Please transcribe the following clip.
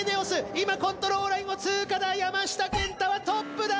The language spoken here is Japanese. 今コントロールラインを通過だ山下健太はトップだ！